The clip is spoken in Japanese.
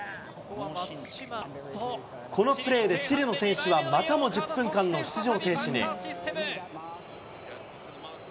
このプレーでチリの選手はまたも１０分間の出場停止に。